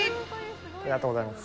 ありがとうございます。